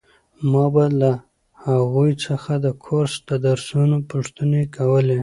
ما به له هغوی څخه د کورس د درسونو پوښتنې کولې.